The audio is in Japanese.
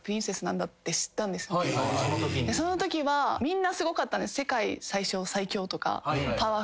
そのときはみんなすごかったんです。